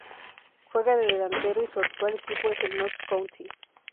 Juega de delantero y su actual equipo es el Notts County.